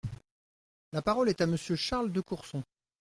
La parole est à Monsieur Charles de Courson.